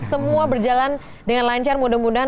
semua berjalan dengan lancar mudah mudahan